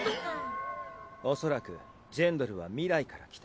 おそらくジェンドルは未来から来た。